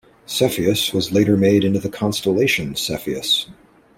Cepheus was later made into the constellation Cepheus.